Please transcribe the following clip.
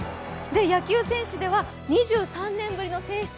野球選手では２３年ぶりの選出。